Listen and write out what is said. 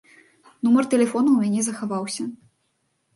Нумар тэлефона ў мяне захаваўся.